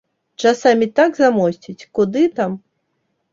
Часамі так замосціць, куды там!